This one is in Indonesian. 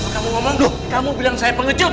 kamu mau manduh kamu bilang saya pengecut wak